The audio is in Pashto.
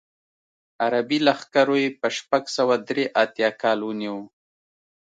عربي لښکرو یې په شپږ سوه درې اتیا کال ونیو.